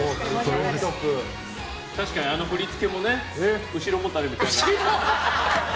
確かに、あの振り付けもね後ろもたれみたいな。